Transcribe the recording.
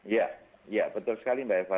iya betul sekali mbak eko